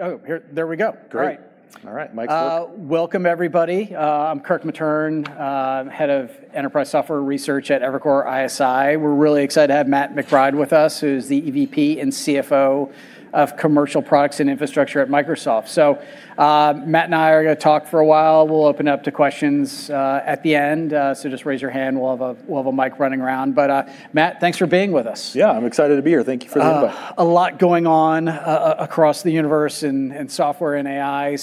Oh, here. There we go. Great. All right. All right. Mic's good. Welcome, everybody. I'm Kirk Materne, Head of Enterprise Software Research at Evercore ISI. We're really excited to have Mat McBride with us, who's the EVP and CFO of Commercial Products and Infrastructure at Microsoft. Mat and I are going to talk for a while. We'll open up to questions at the end, so just raise your hand. We'll have a mic running around. Mat, thanks for being with us. Yeah, I'm excited to be here. Thank you for the invite. A lot going on across the universe in software and AI. I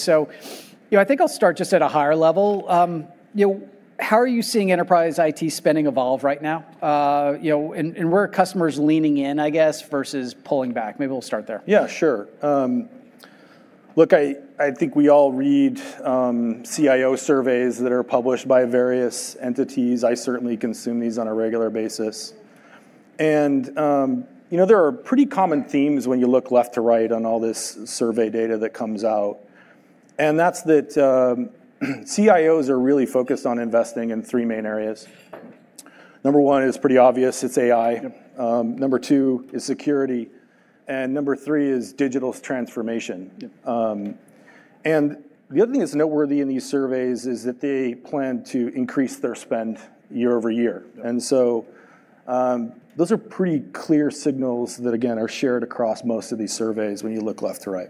think I'll start just at a higher level. How are you seeing enterprise IT spending evolve right now? Where are customers leaning in, I guess, versus pulling back? Maybe we'll start there. Yeah, sure. Look, I think we all read CIO surveys that are published by various entities. I certainly consume these on a regular basis. There are pretty common themes when you look left to right on all this survey data that comes out, and that's that CIOs are really focused on investing in three main areas. Number one is pretty obvious, it's AI. Yep. Number two is security, and number three is digital transformation. Yep. The other thing that's noteworthy in these surveys is that they plan to increase their spend year-over-year. Yep. Those are pretty clear signals that, again, are shared across most of these surveys when you look left to right.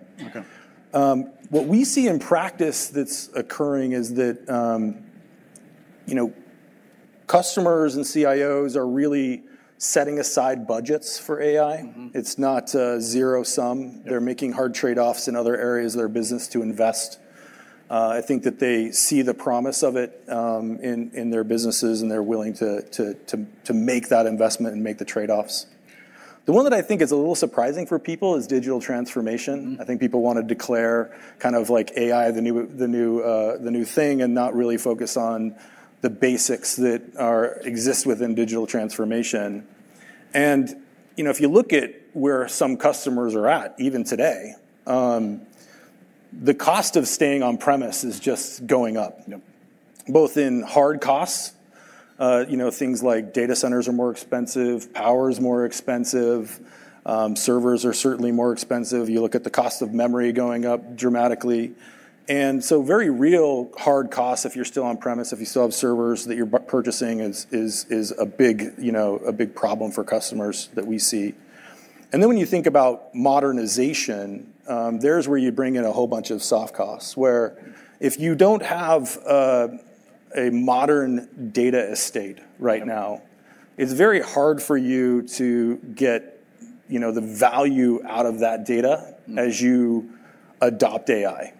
Okay. What we see in practice that's occurring is that customers and CIOs are really setting aside budgets for AI. It's not zero sum. They're making hard trade-offs in other areas of their business to invest. I think that they see the promise of it in their businesses, and they're willing to make that investment and make the trade-offs. The one that I think is a little surprising for people is digital transformation. I think people want to declare AI the new thing and not really focus on the basics that exist within digital transformation. If you look at where some customers are at, even today, the cost of staying on premise is just going up. Yep. Both in hard costs, things like data centers are more expensive, power is more expensive, servers are certainly more expensive. You look at the cost of memory going up dramatically. Very real hard costs if you're still on premise, if you still have servers that you're purchasing, is a big problem for customers that we see. When you think about modernization, there's where you bring in a whole bunch of soft costs, where if you don't have a modern data estate right now. Yep It's very hard for you to get the value out of that data as you adopt AI.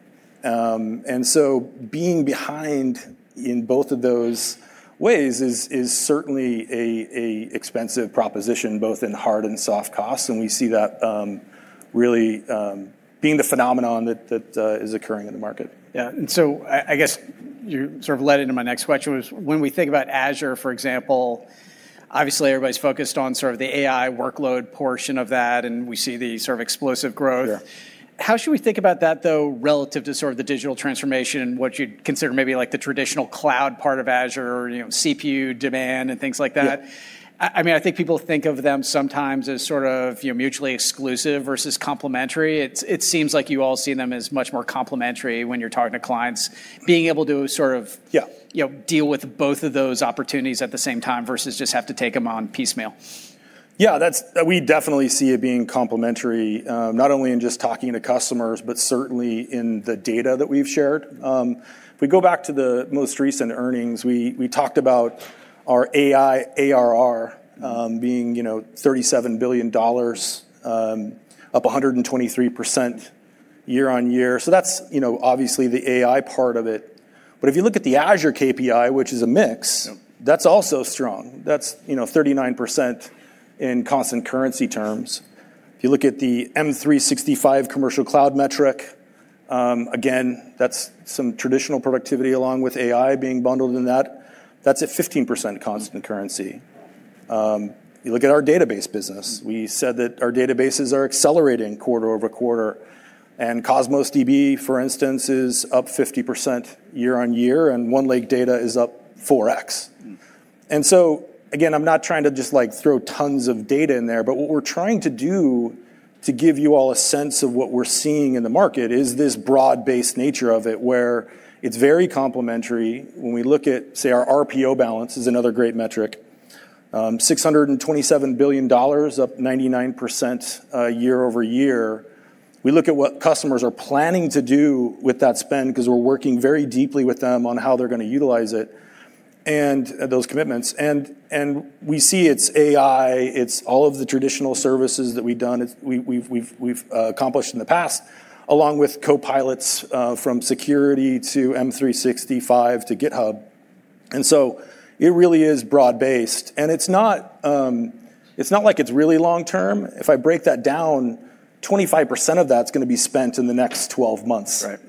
Being behind in both of those ways is certainly an expensive proposition, both in hard and soft costs, and we see that really being the phenomenon that is occurring in the market. Yeah. I guess you sort of led into my next question, was when we think about Azure, for example, obviously everybody's focused on the AI workload portion of that, and we see the explosive growth. Yeah. How should we think about that, though, relative to the digital transformation and what you'd consider maybe the traditional cloud part of Azure, CPU demand and things like that? Yeah. I think people think of them sometimes as mutually exclusive versus complementary. It seems like you all see them as much more complementary when you're talking to clients. Yeah deal with both of those opportunities at the same time versus just have to take them on piecemeal. We definitely see it being complementary, not only in just talking to customers, but certainly in the data that we've shared. If we go back to the most recent earnings, we talked about our AI ARR being $37 billion, up 123% year-on-year. That's obviously the AI part of it. If you look at the Azure KPI, which is a mix. Yep that's also strong. That's 39% in constant currency terms. If you look at the M365 commercial cloud metric, again, that's some traditional productivity along with AI being bundled in that. That's at 15% constant currency. You look at our database business, we said that our databases are accelerating quarter-over-quarter, and Cosmos DB, for instance, is up 50% year-on-year, and OneLake data is up 4x. Again, I'm not trying to just throw tons of data in there, but what we're trying to do to give you all a sense of what we're seeing in the market is this broad-based nature of it where it's very complementary when we look at, say, our RPO balance is another great metric. $627 billion, up 99% year-over-year. We look at what customers are planning to do with that spend because we're working very deeply with them on how they're going to utilize it and those commitments, and we see it's AI, it's all of the traditional services that we've accomplished in the past, along with copilots from security to M365 to GitHub. It really is broad-based, and it's not like it's really long term. If I break that down, 25% of that's going to be spent in the next 12 months. Right.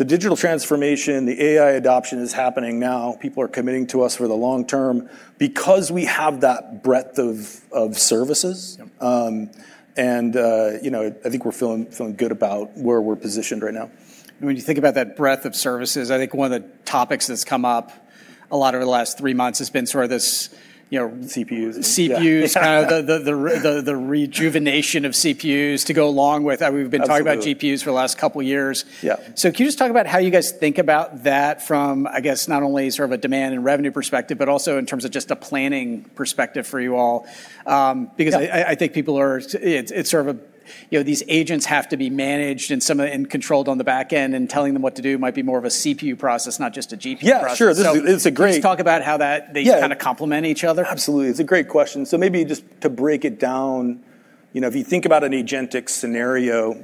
The digital transformation, the AI adoption is happening now. People are committing to us for the long term because we have that breadth of services. Yep. I think we're feeling good about where we're positioned right now. When you think about that breadth of services, I think one of the topics that's come up a lot over the last three months has been. CPUs CPUs. The rejuvenation of CPUs to go along with how we've been Absolutely talking about GPUs for the last couple of years. Yeah. Can you just talk about how you guys think about that from, I guess, not only sort of a demand and revenue perspective, but also in terms of just a planning perspective for you all? Yeah I think these agents have to be managed and controlled on the back end, and telling them what to do might be more of a CPU process, not just a GPU process. Yeah, sure. Let's talk about how. Yeah They kind of complement each other. Absolutely. It's a great question. Maybe just to break it down, if you think about an agentic scenario,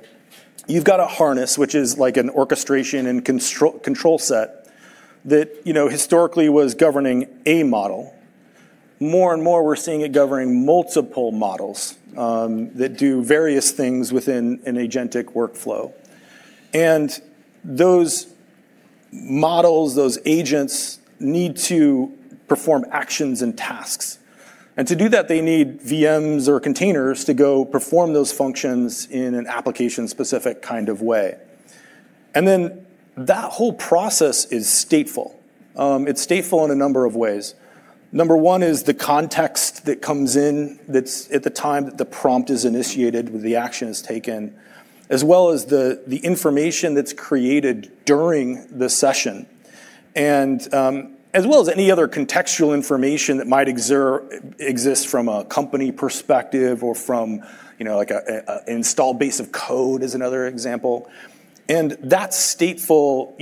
you've got a harness, which is like an orchestration and control set that historically was governing a model. More and more, we're seeing it governing multiple models that do various things within an agentic workflow. Those models, those agents need to perform actions and tasks, and to do that, they need VMs or containers to go perform those functions in an application-specific kind of way. That whole process is stateful. It's stateful in a number of ways. Number one is the context that comes in, that's at the time that the prompt is initiated, when the action is taken, as well as the information that's created during the session, and as well as any other contextual information that might exist from a company perspective or from an installed base of code, as another example. That stateful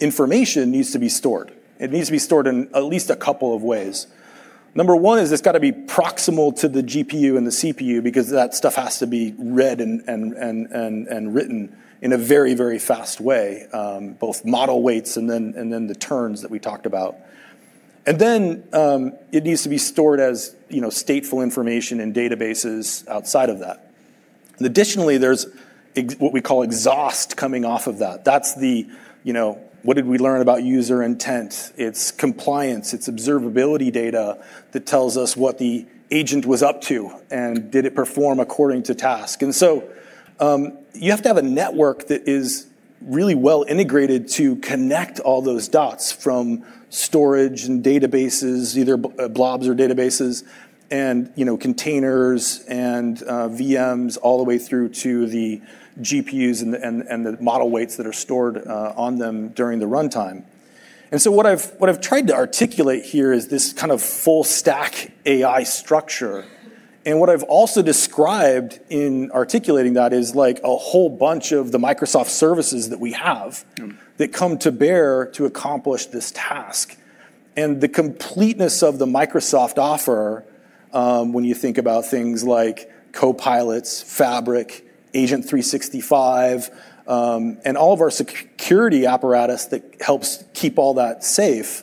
information needs to be stored. It needs to be stored in at least a couple of ways. Number one is it's got to be proximal to the GPU and the CPU because that stuff has to be read and written in a very fast way, both model weights and then the terms that we talked about. Then it needs to be stored as stateful information in databases outside of that. Additionally, there's what we call exhaust coming off of that. That's the what did we learn about user intent. It's compliance. It's observability data that tells us what the agent was up to, and did it perform according to task. You have to have a network that is really well integrated to connect all those dots from storage and databases, either blobs or databases, and containers and VMs all the way through to the GPUs and the model weights that are stored on them during the runtime. What I've tried to articulate here is this kind of full stack AI structure, and what I've also described in articulating that is a whole bunch of the Microsoft services that we have- that come to bear to accomplish this task. The completeness of the Microsoft offer, when you think about things like Copilots, Fabric, Agent 365, and all of our security apparatus that helps keep all that safe,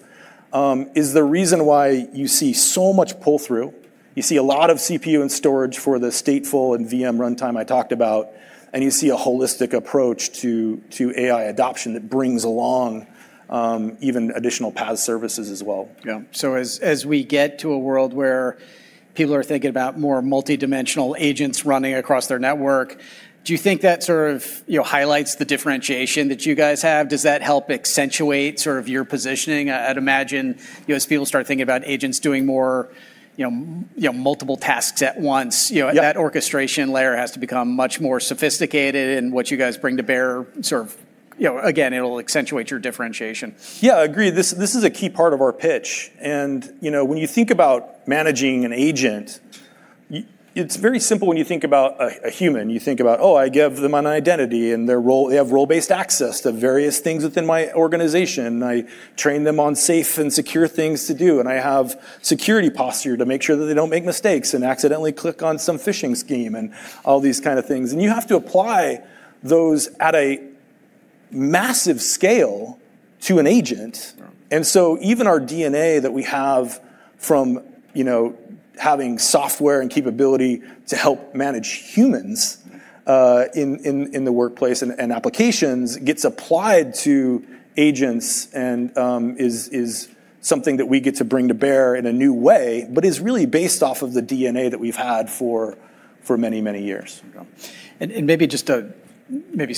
is the reason why you see so much pull-through. You see a lot of CPU and storage for the stateful and VM runtime I talked about, and you see a holistic approach to AI adoption that brings along even additional PaaS services as well. Yeah. As we get to a world where people are thinking about more multidimensional agents running across their network, do you think that sort of highlights the differentiation that you guys have? Does that help accentuate your positioning? I'd imagine as people start thinking about agents doing more multiple tasks at once. Yeah That orchestration layer has to become much more sophisticated, and what you guys bring to bear, again, it'll accentuate your differentiation. Yeah, agreed. This is a key part of our pitch. When you think about managing an agent, it's very simple when you think about a human. You think about, I give them an identity, and they have role-based access to various things within my organization. I train them on safe and secure things to do, and I have security posture to make sure that they don't make mistakes and accidentally click on some phishing scheme and all these kind of things. You have to apply those at a massive scale to an agent. Yeah. Even our DNA that we have from having software and capability to help manage humans in the workplace and applications gets applied to agents and is something that we get to bring to bear in a new way, but is really based off of the DNA that we've had for many years. Yeah. Take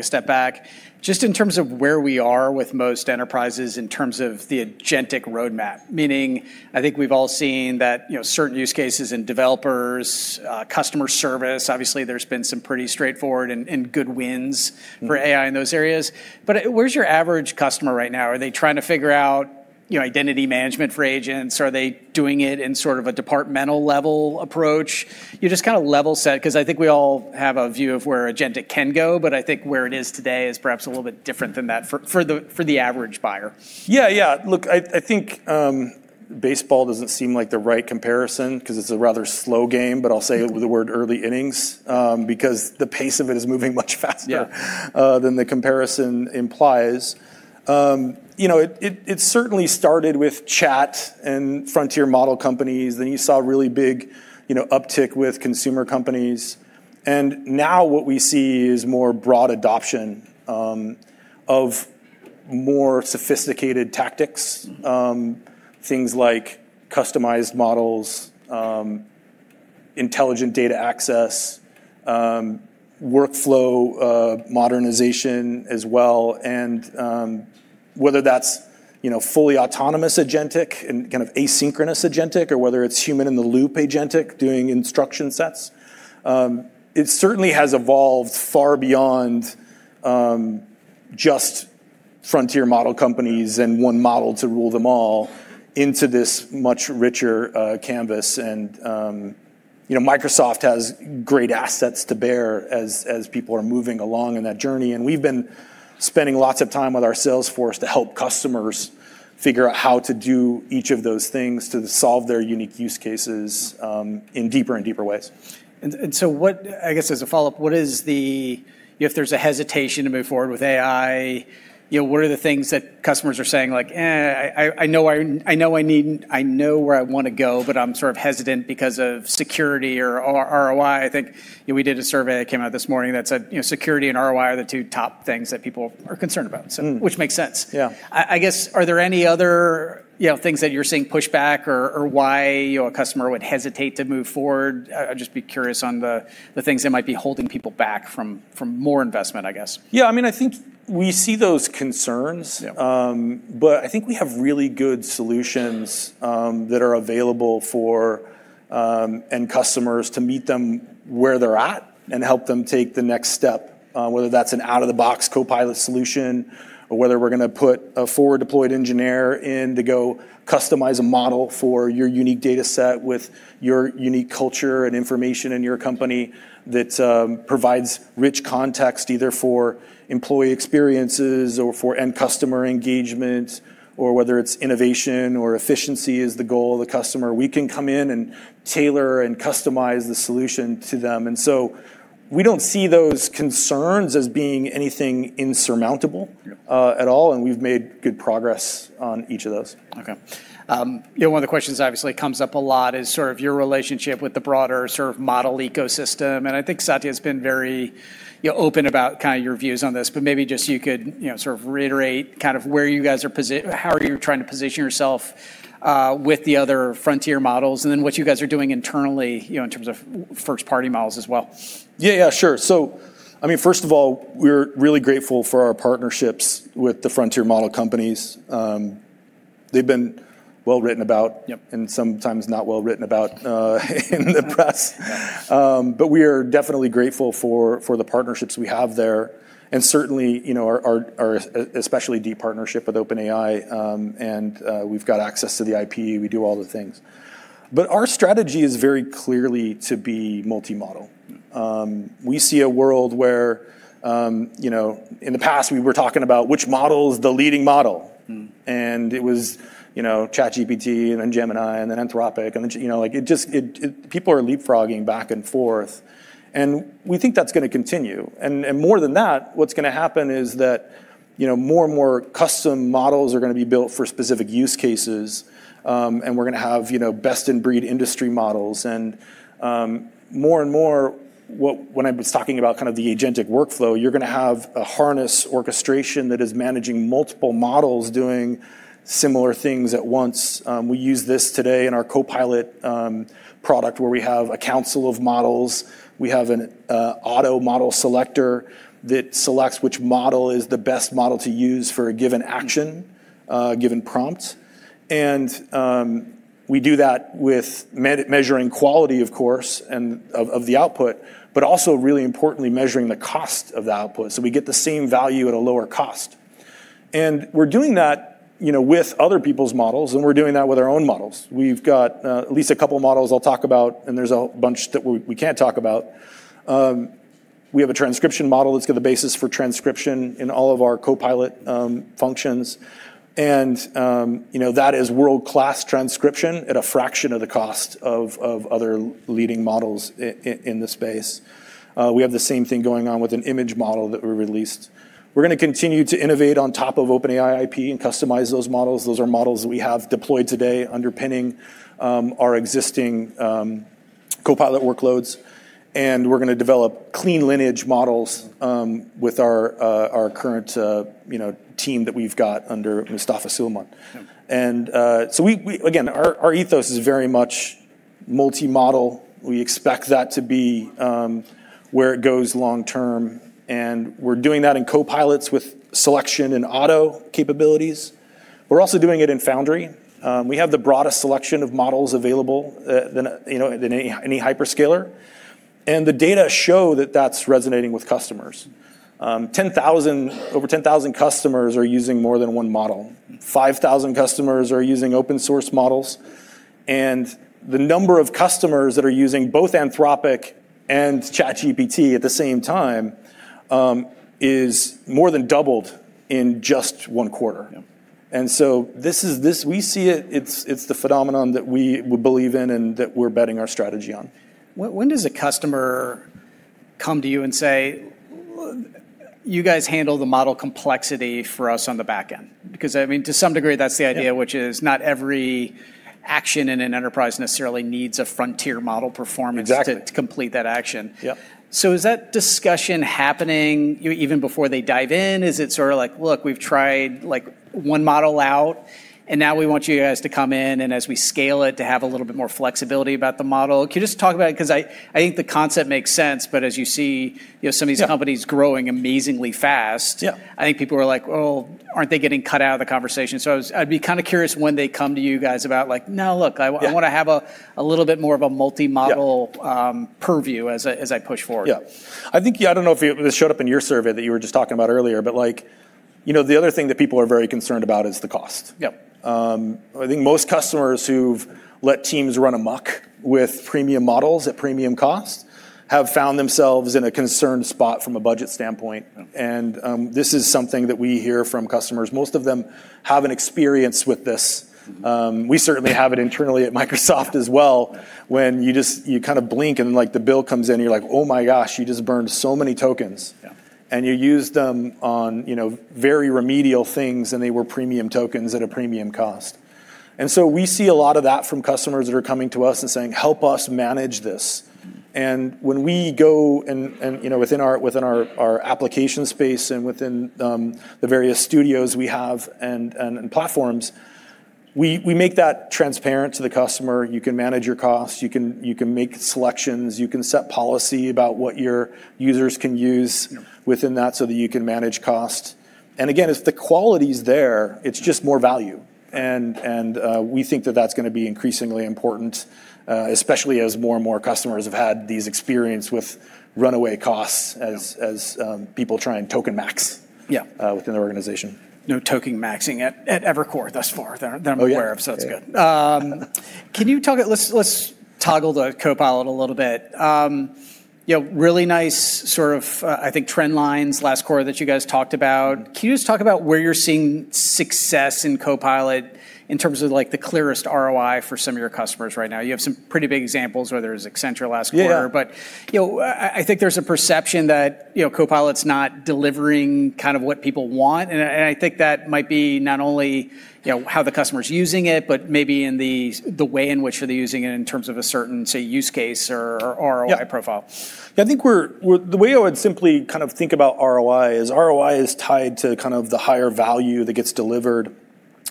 a step back, just in terms of where we are with most enterprises in terms of the agentic roadmap, meaning I think we've all seen that certain use cases in developers, customer service, obviously, there's been some pretty straightforward and good wins, for AI in those areas. Where's your average customer right now? Are they trying to figure out identity management for agents? Are they doing it in sort of a departmental level approach? Just kind of level set, because I think we all have a view of where agentic can go, but I think where it is today is perhaps a little bit different than that for the average buyer. Yeah. Look, I think baseball doesn't seem like the right comparison because it's a rather slow game, but I'll say the word early innings because the pace of it is moving much faster. Yeah Than the comparison implies. It certainly started with chat and frontier model companies. You saw a really big uptick with consumer companies, and now what we see is more broad adoption of more sophisticated tactics. Things like customized models, intelligent data access, workflow modernization as well, and whether that's fully autonomous agentic and kind of asynchronous agentic or whether it's human in the loop agentic, doing instruction sets. It certainly has evolved far beyond just frontier model companies and one model to rule them all into this much richer canvas and Microsoft has great assets to bear as people are moving along on that journey, and we've been spending lots of time with our sales force to help customers figure out how to do each of those things to solve their unique use cases, in deeper and deeper ways. What, I guess as a follow-up, if there's a hesitation to move forward with AI, what are the things that customers are saying, like, Eh, I know where I want to go, but I'm sort of hesitant because of security or ROI? I think we did a survey that came out this morning that said security and ROI are the two top things that people are concerned about. Which makes sense. Yeah. I guess, are there any other things that you're seeing push back or why a customer would hesitate to move forward? I'd just be curious on the things that might be holding people back from more investment, I guess. Yeah, I think we see those concerns. Yeah I think we have really good solutions that are available for end customers to meet them where they're at and help them take the next step. Whether that's an out-of-the-box Copilot solution or whether we're going to put a forward-deployed engineer in to go customize a model for your unique data set with your unique culture and information in your company that provides rich context, either for employee experiences or for end customer engagement, or whether it's innovation or efficiency is the goal of the customer. We can come in and tailor and customize the solution to them. We don't see those concerns as being anything insurmountable. Yeah At all, we've made good progress on each of those. Okay. One of the questions that obviously comes up a lot is sort of your relationship with the broader model ecosystem, I think Satya's been very open about your views on this, but maybe just you could sort of reiterate where you guys are, how you are trying to position yourself with the other frontier models, what you guys are doing internally in terms of first-party models as well? Yeah. Sure. First of all, we're really grateful for our partnerships with the frontier model companies. They've been well written about. Yep and sometimes not well written about in the press. We are definitely grateful for the partnerships we have there, and certainly, our especially deep partnership with OpenAI. We've got access to the IP, we do all the things. Our strategy is very clearly to be multi-model. We see a world where, in the past, we were talking about which model is the leading model. It was ChatGPT, then Gemini, then Anthropic. People are leapfrogging back and forth, and we think that's going to continue. More than that, what's going to happen is that more and more custom models are going to be built for specific use cases. We're going to have best-in-breed industry models and, more and more, when I was talking about the agentic workflow, you're going to have a harness orchestration that is managing multiple models doing similar things at once. We use this today in our Copilot product, where we have a council of models. We have an auto model selector that selects which model is the best model to use for a given action, a given prompt. We do that with measuring quality, of course, of the output, but also, really importantly, measuring the cost of the output, so we get the same value at a lower cost. We're doing that with other people's models, and we're doing that with our own models. We've got at least a couple of models I'll talk about, and there's a bunch that we can't talk about. We have a transcription model that's got the basis for transcription in all of our Copilot functions and, that is world-class transcription at a fraction of the cost of other leading models in the space. We have the same thing going on with an image model that we released. We're going to continue to innovate on top of OpenAI IP and customize those models. Those are models that we have deployed today underpinning our existing Copilot workloads, and we're going to develop clean lineage models with our current team that we've got under Mustafa Suleyman. Yep. Again, our ethos is very much multi-model. We expect that to be where it goes long term, and we're doing that in Copilots with selection and auto capabilities. We're also doing it in Foundry. We have the broadest selection of models available than any hyperscaler. The data show that that's resonating with customers. Over 10,000 customers are using more than one model. 5,000 customers are using open source models. The number of customers that are using both Anthropic and ChatGPT at the same time is more than doubled in just one quarter. Yep. We see it. It's the phenomenon that we believe in and that we're betting our strategy on. When does a customer come to you and say, You guys handle the model complexity for us on the back end? To some degree, that's the idea, which is not every action in an enterprise necessarily needs a frontier model performance. Exactly to complete that action. Yep. Is that discussion happening even before they dive in? Is it sort of like, Look, we've tried one model out, and now we want you guys to come in, and as we scale it, to have a little bit more flexibility about the model. Can you just talk about it? Because I think the concept makes sense, but as you see some of these Yeah companies growing amazingly fast. Yeah I think people are like, Well, aren't they getting cut out of the conversation? I'd be kind of curious when they come to you guys about like, Now look. Yeah to have a little bit more of a multi-model- Yeah purview as I push forward. Yeah. I don't know if this showed up in your survey that you were just talking about earlier, but the other thing that people are very concerned about is the cost. Yep. I think most customers who've let teams run amok with premium models at premium cost have found themselves in a concerned spot from a budget standpoint. Yeah. This is something that we hear from customers. Most of them have an experience with this. We certainly have it internally at Microsoft as well, when you kind of blink and the bill comes in, you're like, oh my gosh, you just burned so many tokens. Yeah. You used them on very remedial things, and they were premium tokens at a premium cost. We see a lot of that from customers that are coming to us and saying, Help us manage this. When we go and, within our application space and within the various studios we have and platforms, we make that transparent to the customer. You can manage your costs. You can make selections. You can set policy about what your users can use. Yeah within that so that you can manage cost. Again, if the quality's there, it's just more value. We think that that's going to be increasingly important, especially as more and more customers have had these experience with runaway costs. Yeah people try and token max- Yeah within their organization. No token maxing at Evercore thus far, that I'm aware of. Oh, yeah. It's good. Let's toggle to Copilot a little bit. Really nice sort of, I think, trend lines last quarter that you guys talked about. Can you just talk about where you're seeing success in Copilot in terms of the clearest ROI for some of your customers right now? You have some pretty big examples, whether it's Accenture last quarter. Yeah. I think there's a perception that Copilot's not delivering what people want, and I think that might be not only how the customer's using it, but maybe in the way in which they're using it in terms of a certain, say, use case or ROI profile. Yeah. The way I would simply think about ROI is ROI is tied to the higher value that gets delivered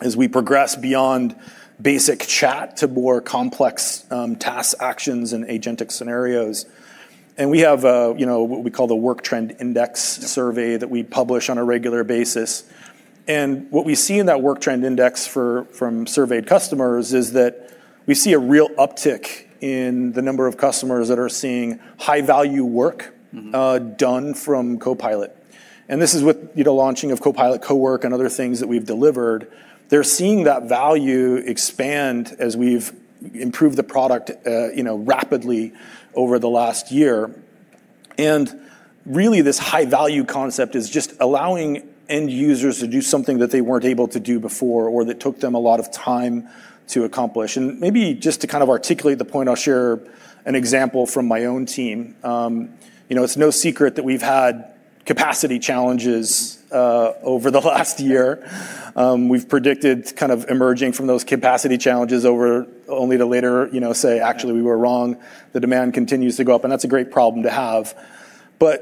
as we progress beyond basic chat to more complex task actions and agentic scenarios. We have what we call the Work Trend Index survey that we publish on a regular basis. What we see in that Work Trend Index from surveyed customers is that we see a real uptick in the number of customers that are seeing high-value work done from Copilot. This is with the launching of Copilot Cowork and other things that we've delivered. They're seeing that value expand as we've improved the product rapidly over the last year. Really this high-value concept is just allowing end users to do something that they weren't able to do before or that took them a lot of time to accomplish. Maybe just to articulate the point, I'll share an example from my own team. It's no secret that we've had capacity challenges over the last year. We've predicted kind of emerging from those capacity challenges over, only to later say, actually, we were wrong. The demand continues to go up, and that's a great problem to have. I'm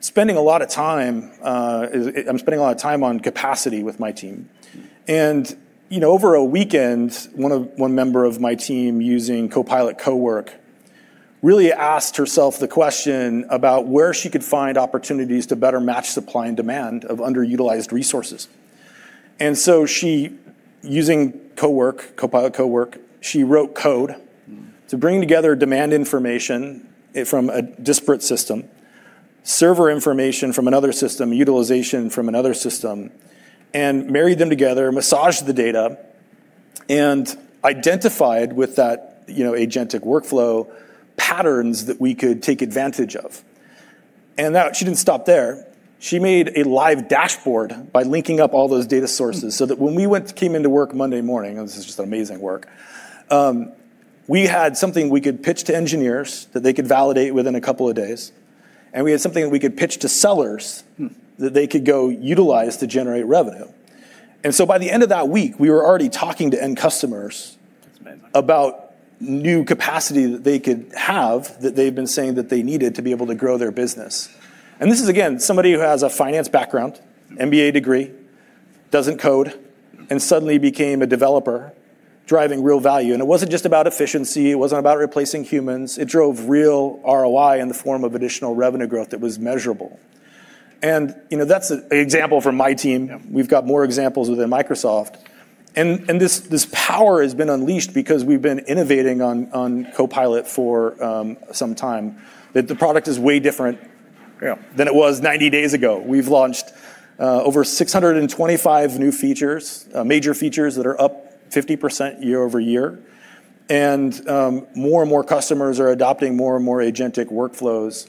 spending a lot of time on capacity with my team. Over a weekend, one member of my team using Copilot Cowork really asked herself the question about where she could find opportunities to better match supply and demand of underutilized resources. She, using Copilot Cowork, she wrote code to bring together demand information from a disparate system, server information from another system, utilization from another system, and married them together, massaged the data, and identified with that agentic workflow patterns that we could take advantage of. She didn't stop there. She made a live dashboard by linking up all those data sources so that when we came into work Monday morning, and this is just amazing work, we had something we could pitch to engineers that they could validate within a couple of days, and we had something that we could pitch to sellers. That they could go utilize to generate revenue. By the end of that week, we were already talking to end customers. That's amazing. about new capacity that they could have that they've been saying that they needed to be able to grow their business. This is, again, somebody who has a finance background, MBA degree, doesn't code, and suddenly became a developer driving real value. It wasn't just about efficiency. It wasn't about replacing humans. It drove real ROI in the form of additional revenue growth that was measurable. That's an example from my team. Yeah. We've got more examples within Microsoft. This power has been unleashed because we've been innovating on Copilot for some time. Yeah than it was 90 days ago. We've launched over 625 new features, major features that are up 50% year-over-year. More and more customers are adopting more and more agentic workflows.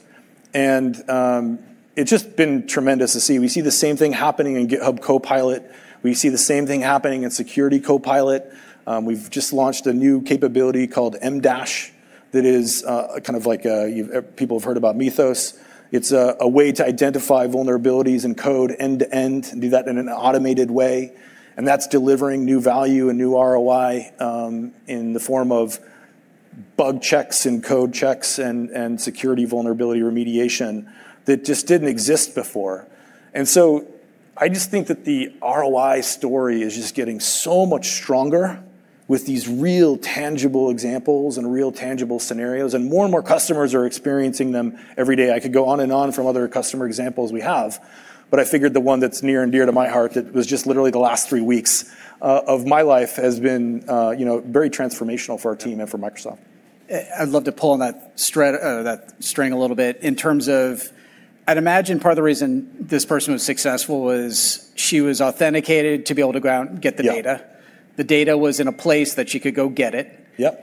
It's just been tremendous to see. We see the same thing happening in GitHub Copilot. We see the same thing happening in Security Copilot. We've just launched a new capability called MDASH that is like people have heard about Mythos. It's a way to identify vulnerabilities in code end-to-end, do that in an automated way, and that's delivering new value and new ROI, in the form of bug checks and code checks and security vulnerability remediation that just didn't exist before. I just think that the ROI story is just getting so much stronger with these real, tangible examples and real tangible scenarios, and more and more customers are experiencing them every day. I could go on and on from other customer examples we have, but I figured the one that's near and dear to my heart that was just literally the last three weeks of my life has been very transformational for our team and for Microsoft. I'd love to pull on that string a little bit in terms of, I'd imagine part of the reason this person was successful was she was authenticated to be able to go out and get the data. Yeah. The data was in a place that she could go get it. Yep.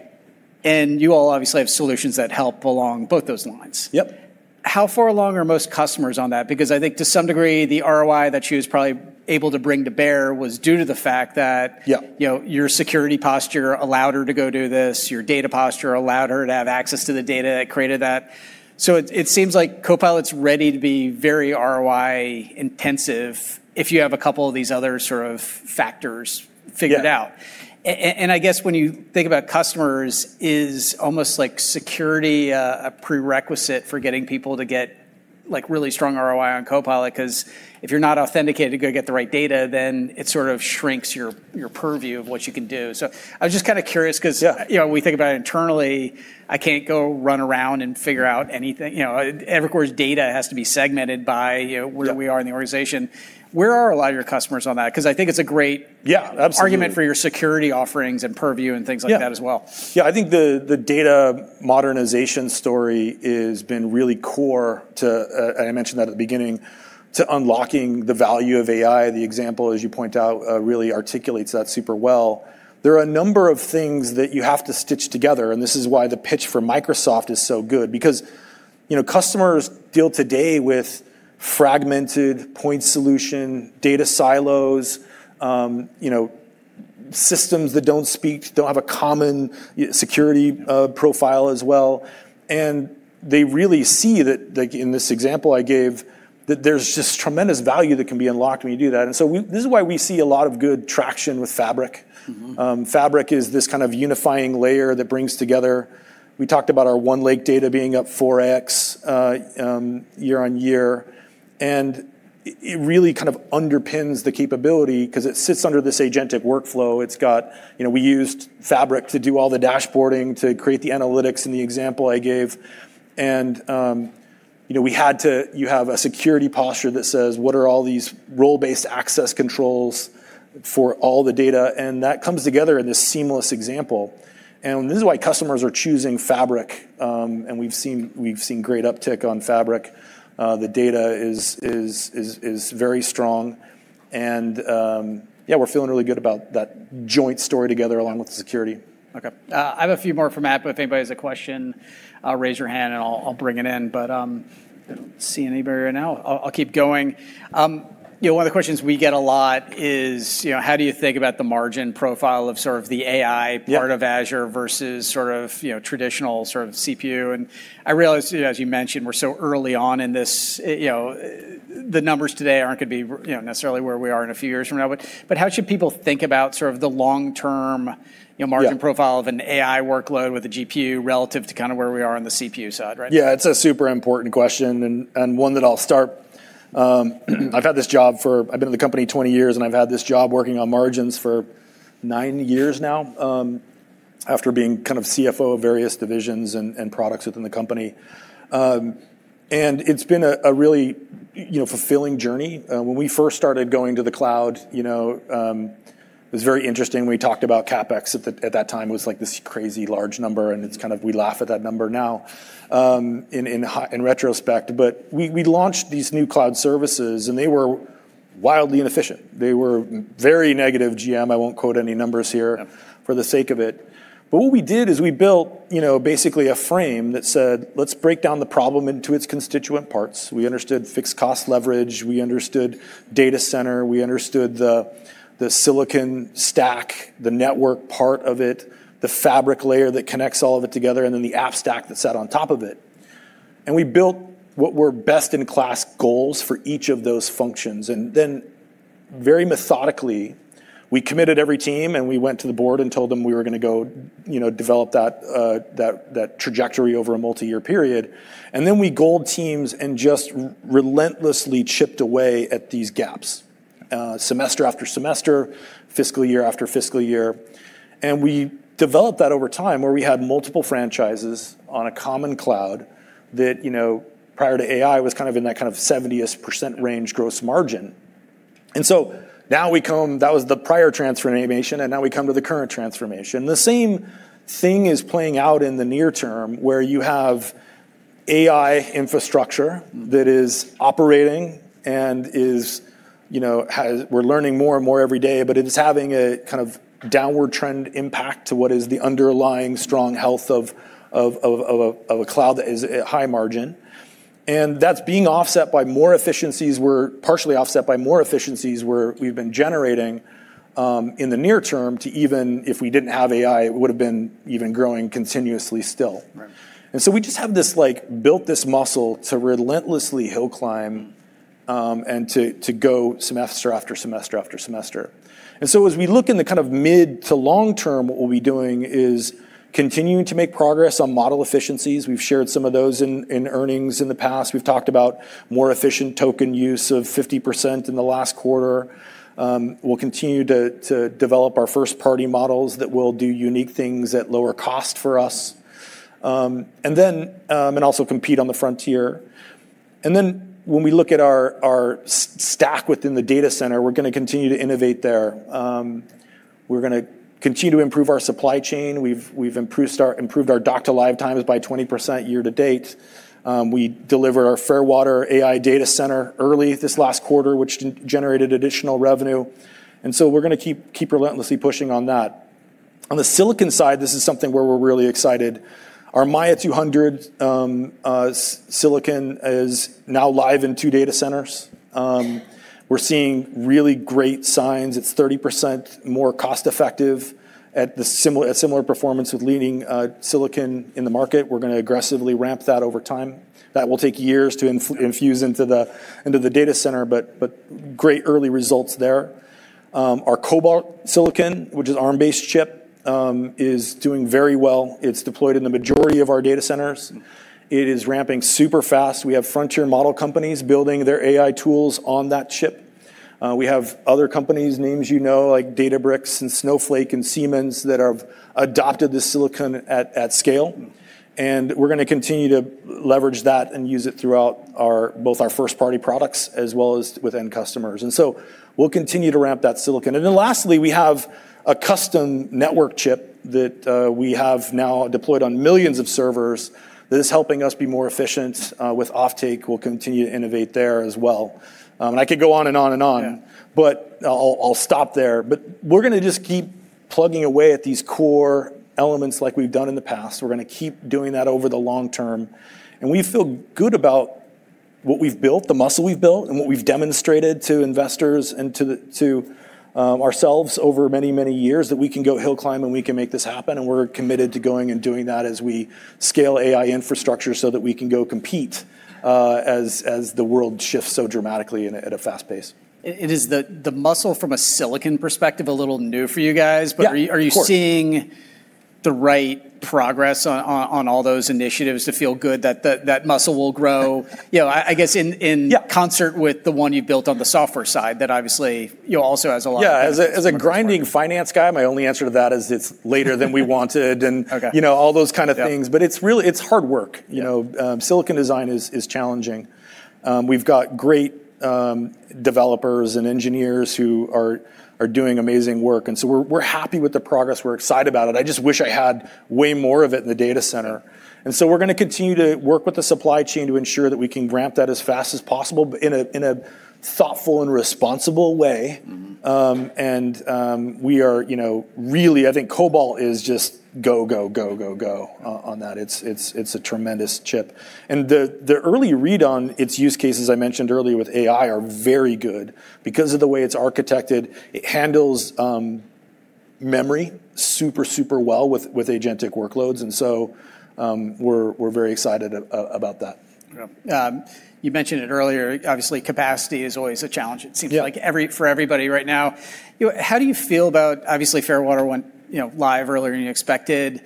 You all obviously have solutions that help along both those lines. Yep. How far along are most customers on that? I think to some degree, the ROI that she was probably able to bring to bear was due to the fact that. Yeah your security posture allowed her to go do this, your data posture allowed her to have access to the data that created that. It seems like Copilot's ready to be very ROI intensive if you have a couple of these other sort of factors figured out. Yeah. I guess when you think about customers, is almost like security, a prerequisite for getting people to get really strong ROI on Copilot? If you're not authenticated to go get the right data, then it sort of shrinks your purview of what you can do. I was just kind of curious. Yeah We think about it internally, I can't go run around and figure out anything. Evercore's data has to be segmented by where. Yeah we are in the organization. Where are a lot of your customers on that? Yeah, absolutely. argument for your security offerings and purview and things like that as well. I think the data modernization story has been really core to, and I mentioned that at the beginning, to unlocking the value of AI. The example, as you point out, really articulates that super well. There are a number of things that you have to stitch together, and this is why the pitch for Microsoft is so good because customers deal today with fragmented point solution data silos, systems that don't speak, don't have a common security profile as well. They really see that, like in this example I gave, that there's just tremendous value that can be unlocked when you do that. This is why we see a lot of good traction with Fabric. Fabric is this kind of unifying layer that brings together. We talked about our OneLake data being up 4x year-on-year. It really kind of underpins the capability because it sits under this agentic workflow. We used Fabric to do all the dashboarding to create the analytics in the example I gave. You have a security posture that says, What are all these role-based access controls for all the data? That comes together in this seamless example. This is why customers are choosing Fabric. We've seen great uptick on Fabric. The data is very strong. Yeah, we're feeling really good about that joint story together along with the security. Okay. I have a few more for Mat, but if anybody has a question, raise your hand and I'll bring it in. I don't see anybody right now. I'll keep going. One of the questions we get a lot is how do you think about the margin profile of sort of the AI. Yeah part of Azure versus traditional CPU? I realize, as you mentioned, we're so early on in this, the numbers today aren't going to be necessarily where we are in a few years from now. How should people think about sort of the long-term? Yeah margin profile of an AI workload with a GPU relative to kind of where we are on the CPU side, right? Yeah, it's a super important question and one that I'll start. I've been with the company 20 years, and I've had this job working on margins for nine years now, after being kind of CFO of various divisions and products within the company. It's been a really fulfilling journey. When we first started going to the cloud, it was very interesting. We talked about CapEx at that time was like this crazy large number, and it's kind of we laugh at that number now in retrospect. We launched these new cloud services, and they were wildly inefficient. They were very negative GM. I won't quote any numbers here. Yeah for the sake of it. What we did is we built basically a frame that said, Let's break down the problem into its constituent parts. We understood fixed cost leverage. We understood data center. We understood the silicon stack, the network part of it, the fabric layer that connects all of it together, and then the app stack that sat on top of it. We built what were best-in-class goals for each of those functions. Then very methodically, we committed every team, and we went to the board and told them we were going to go develop that trajectory over a multi-year period. Then we gold teams and just relentlessly chipped away at these gaps, semester after semester, fiscal year after fiscal year. We developed that over time, where we had multiple franchises on a common cloud that, prior to AI, was kind of in that kind of 70%-ish range gross margin. Now that was the prior transformation, and now we come to the current transformation. The same thing is playing out in the near term, where you have AI infrastructure that is operating and we're learning more and more every day. It is having a kind of downward trend impact to what is the underlying strong health of a cloud that is at high margin. That's being partially offset by more efficiencies where we've been generating in the near term to even if we didn't have AI, it would've been even growing continuously still. Right. We just have built this muscle to relentlessly hill climb and to go semester after semester after semester. As we look in the mid to long-term, what we'll be doing is continuing to make progress on model efficiencies. We've shared some of those in earnings in the past. We've talked about more efficient token use of 50% in the last quarter. We'll continue to develop our first-party models that will do unique things at lower cost for us, and also compete on the frontier. When we look at our stack within the data center, we're going to continue to innovate there. We're going to continue to improve our supply chain. We've improved our dock-to-live times by 20% year-to-date. We deliver our Fairwater AI data center early this last quarter, which generated additional revenue, and so we're going to keep relentlessly pushing on that. On the silicon side, this is something where we're really excited. Our Maia 200 silicon is now live in two data centers. We're seeing really great signs. It's 30% more cost effective at similar performance with leading silicon in the market. We're going to aggressively ramp that over time. That will take years to infuse into the data center, but great early results there. Our Cobalt silicon, which is Arm-based chip, is doing very well. It's deployed in the majority of our data centers. It is ramping super fast. We have frontier model companies building their AI tools on that chip. We have other companies, names you know, like Databricks and Snowflake and Siemens, that have adopted the silicon at scale. We're going to continue to leverage that and use it throughout both our first-party products as well as with end customers. We'll continue to ramp that silicon. Lastly, we have a custom network chip that we have now deployed on millions of servers that is helping us be more efficient with optics. We'll continue to innovate there as well. I could go on and on and on. Yeah. I'll stop there. We're going to just keep plugging away at these core elements like we've done in the past. We're going to keep doing that over the long term, and we feel good about what we've built, the muscle we've built, and what we've demonstrated to investors and to ourselves over many, many years that we can go hill climb, and we can make this happen, and we're committed to going and doing that as we scale AI infrastructure so that we can go compete as the world shifts so dramatically and at a fast pace. Is the muscle from a silicon perspective a little new for you guys? Yeah. Of course. Are you seeing the right progress on all those initiatives to feel good that that muscle will grow? I guess. Yeah concert with the one you built on the software side that obviously also has a lot. Yeah. As a grinding finance guy, my only answer to that is it's later than we wanted. Okay all those kind of things. Yeah. It's hard work. Silicon design is challenging. We've got great developers and engineers who are doing amazing work. So we're happy with the progress. We're excited about it. I just wish I had way more of it in the data center. So we're going to continue to work with the supply chain to ensure that we can ramp that as fast as possible, but in a thoughtful and responsible way. I think Cobalt is just go, go, go on that. It's a tremendous chip, and the early read on its use cases, I mentioned earlier with AI, are very good. Because of the way it's architected, it handles memory super well with agentic workloads, and so we're very excited about that. Yeah. You mentioned it earlier, obviously capacity is always a challenge it seems. Yeah like for everybody right now. Obviously Fairwater went live earlier than you expected.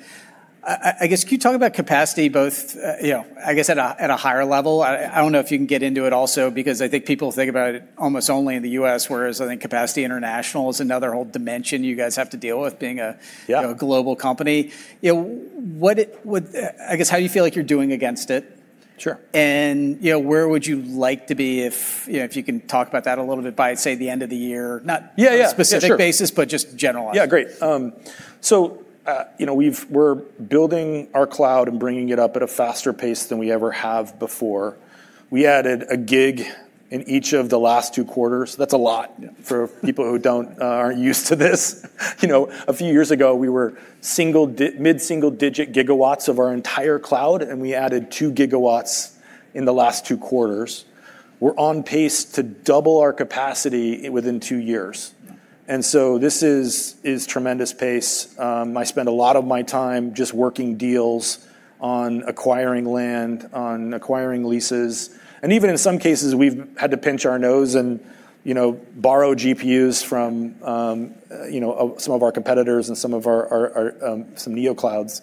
I guess, can you talk about capacity both at a higher level? I don't know if you can get into it also because I think people think about it almost only in the U.S., whereas I think capacity international is another whole dimension you guys have to deal with being a- Yeah a global company. I guess how you feel like you're doing against it. Sure. Where would you like to be if you can talk about that a little bit by, say, the end of the year? Yeah. Sure. on a specific basis, but just generalized. Yeah, great. We're building our cloud and bringing it up at a faster pace than we ever have before. We added a gig in each of the last two quarters. That's a lot. Yeah for people who aren't used to this. A few years ago, we were mid-single digit gigawatts of our entire cloud. We added two gigawatts in the last two quarters. We're on pace to double our capacity within two years. This is tremendous pace. I spend a lot of my time just working deals on acquiring land, on acquiring leases, and even in some cases, we've had to pinch our nose and borrow GPUs from some of our competitors and some neo-clouds.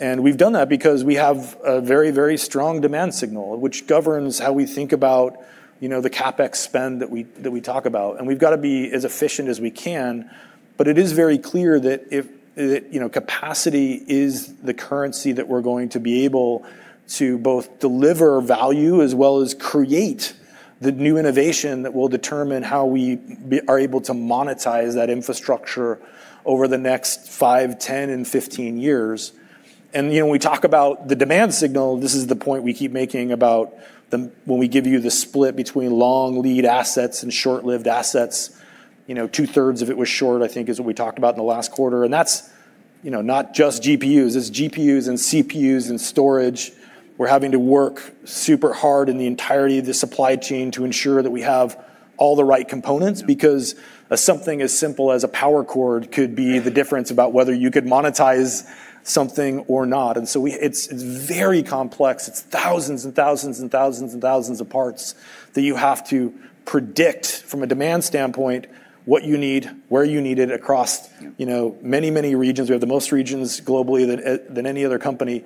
We've done that because we have a very, very strong demand signal, which governs how we think about the CapEx spend that we talk about, and we've got to be as efficient as we can. It is very clear that capacity is the currency that we're going to be able to both deliver value as well as create the new innovation that will determine how we are able to monetize that infrastructure over the next five, 10, and 15 years. When we talk about the demand signal, this is the point we keep making about when we give you the split between long lead assets and short-lived assets. Two-thirds of it was short, I think is what we talked about in the last quarter. That's not just GPUs. It's GPUs and CPUs and storage. We're having to work super hard in the entirety of the supply chain to ensure that we have all the right components, because something as simple as a power cord could be the difference about whether you could monetize something or not. It's very complex. It's thousands and thousands and thousands and thousands of parts that you have to predict from a demand standpoint, what you need, where you need it across many regions. We have the most regions globally than any other company,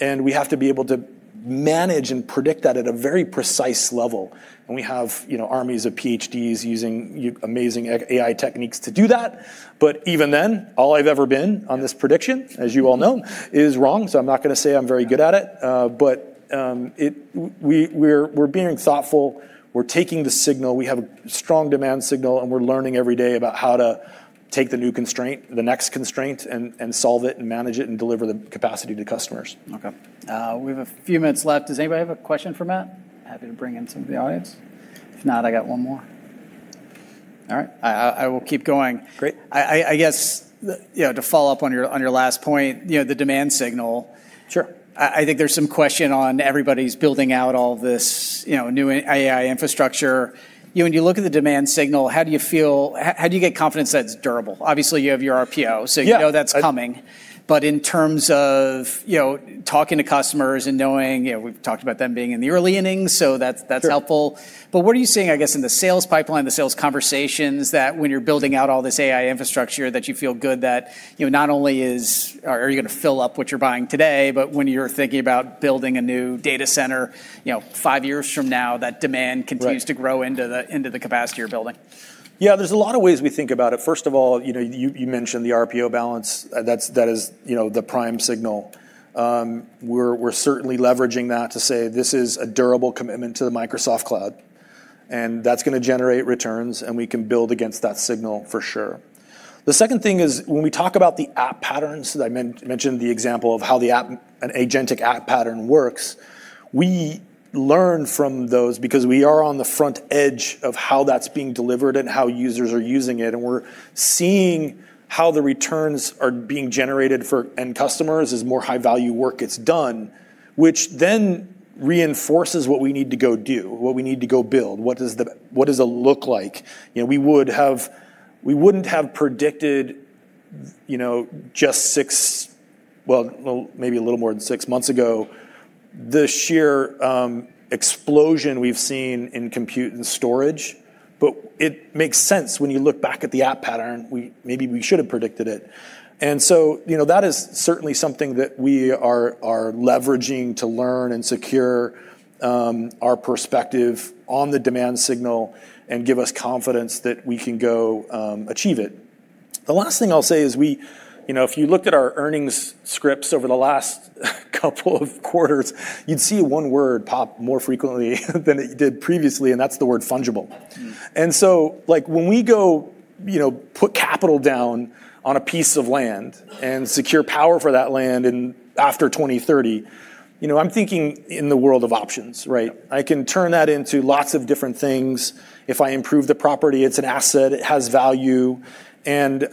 and we have to be able to manage and predict that at a very precise level. We have armies of PhDs using amazing AI techniques to do that. Even then, all I've ever been on this prediction, as you all know, is wrong. I'm not going to say I'm very good at it. We're being thoughtful. We're taking the signal. We have a strong demand signal, we're learning every day about how to take the new constraint, the next constraint, and solve it and manage it and deliver the capacity to customers. Okay. We have a few minutes left. Does anybody have a question for Mat? Happy to bring in some of the audience. If not, I got one more. All right. I will keep going. Great. I guess, to follow up on your last point, the demand signal. Sure. I think there's some question on everybody's building out all this new AI infrastructure. When you look at the demand signal, how do you get confidence that it's durable? Obviously, you have your RPO. Yeah You know that's coming. In terms of talking to customers and knowing, we've talked about them being in the early innings, so that's helpful. Sure. What are you seeing, I guess, in the sales pipeline, the sales conversations, that when you're building out all this AI infrastructure, that you feel good that not only are you going to fill up what you're buying today, but when you're thinking about building a new data center, five years from now, that demand continues? Right to grow into the capacity you're building? There's a lot of ways we think about it. First of all, you mentioned the RPO balance. That is the prime signal. We're certainly leveraging that to say this is a durable commitment to the Microsoft cloud, and that's going to generate returns, and we can build against that signal for sure. The second thing is when we talk about the app patterns, I mentioned the example of how an agentic app pattern works. We learn from those because we are on the front edge of how that's being delivered and how users are using it, and we're seeing how the returns are being generated for end customers as more high-value work gets done, which then reinforces what we need to go do, what we need to go build, what does it look like. We wouldn't have predicted just six, well, maybe a little more than six months ago, the sheer explosion we've seen in compute and storage. It makes sense when you look back at the app pattern. Maybe we should have predicted it. That is certainly something that we are leveraging to learn and secure our perspective on the demand signal and give us confidence that we can go achieve it. The last thing I'll say is if you looked at our earnings scripts over the last couple of quarters, you'd see one word pop more frequently than it did previously, and that's the word fungible. When we go put capital down on a piece of land and secure power for that land after 2030, I'm thinking in the world of options, right? Yeah. I can turn that into lots of different things. If I improve the property, it's an asset, it has value, and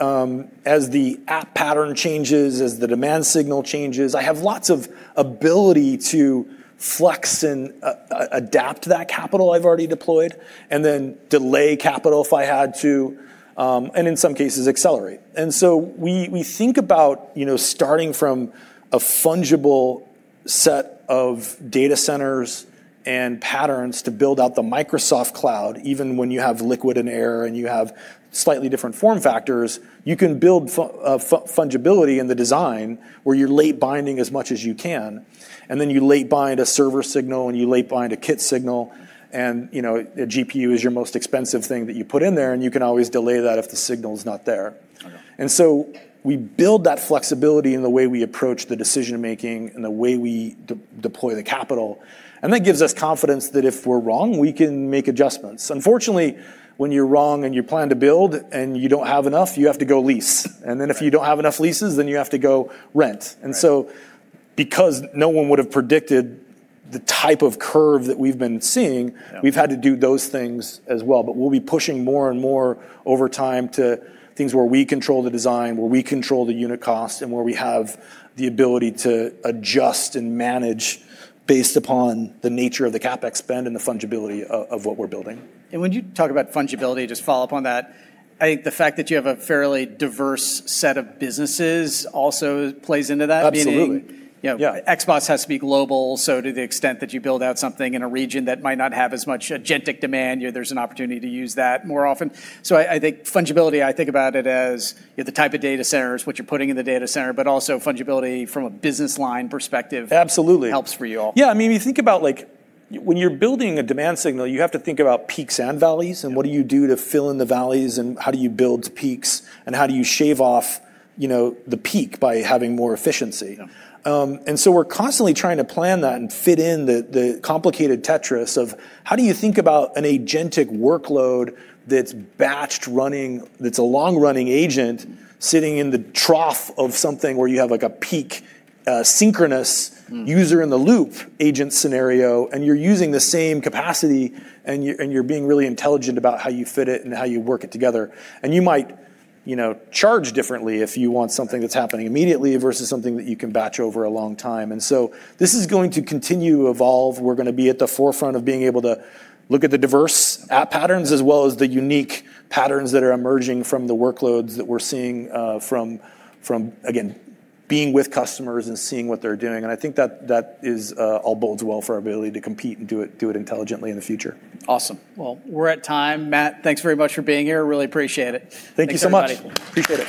as the app pattern changes, as the demand signal changes, I have lots of ability to flex and adapt that capital I've already deployed, and then delay capital if I had to, and in some cases, accelerate. We think about starting from a fungible set of data centers and patterns to build out the Microsoft Cloud. Even when you have liquid and air, and you have slightly different form factors, you can build fungibility in the design where you're late binding as much as you can, and then you late bind a server signal, and you late bind a kit signal, and a GPU is your most expensive thing that you put in there, and you can always delay that if the signal's not there. I know. We build that flexibility in the way we approach the decision-making and the way we deploy the capital, and that gives us confidence that if we're wrong, we can make adjustments. Unfortunately, when you're wrong and you plan to build and you don't have enough, you have to go lease, and then if you don't have enough leases, then you have to go rent. Right. Because no one would've predicted the type of curve that we've been seeing. Yeah we've had to do those things as well. We'll be pushing more and more over time to things where we control the design, where we control the unit cost, and where we have the ability to adjust and manage based upon the nature of the CapEx spend and the fungibility of what we're building. When you talk about fungibility, just follow up on that. I think the fact that you have a fairly diverse set of businesses also plays into that. Absolutely. Meaning- Yeah Xbox has to be global. To the extent that you build out something in a region that might not have as much agentic demand, there's an opportunity to use that more often. I think fungibility, I think about it as the type of data centers, what you're putting in the data center, but also fungibility from a business line perspective. Absolutely helps for you all. Yeah. You think about when you're building a demand signal, you have to think about peaks and valleys, and what do you do to fill in the valleys, and how do you build peaks, and how do you shave off the peak by having more efficiency? Yeah. We're constantly trying to plan that and fit in the complicated Tetris of how do you think about an agentic workload that's batched running, that's a long-running agent sitting in the trough of something where you have a peak synchronous user in the loop agent scenario. You're using the same capacity, and you're being really intelligent about how you fit it and how you work it together. You might charge differently if you want something that's happening immediately versus something that you can batch over a long time. T his is going to continue to evolve. We're going to be at the forefront of being able to look at the diverse app patterns as well as the unique patterns that are emerging from the workloads that we're seeing from, again, being with customers and seeing what they're doing. I think that all bodes well for our ability to compete and do it intelligently in the future. Awesome. Well, we're at time. Mat, thanks very much for being here. Really appreciate it. Thank you so much. Thanks, everybody. Appreciate it.